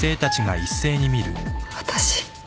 私？